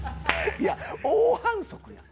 いや大反則やん。